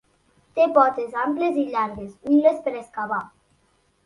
Té potes amples i llargues ungles per excavar.